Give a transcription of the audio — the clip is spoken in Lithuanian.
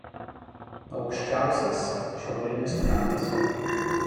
Aukščiausias šiaurinis krantas.